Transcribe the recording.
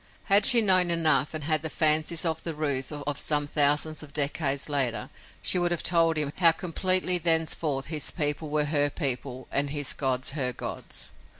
Had she known enough and had the fancies of the Ruth of some thousands of decades later she would have told him how completely thenceforth his people were her people and his gods her gods.